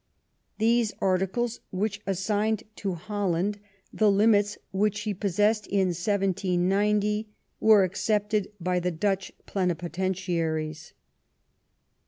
These articles, which assigned to Holland the limits which she possessed in 1790, were accepted by the Dutch Plenipotentiaries.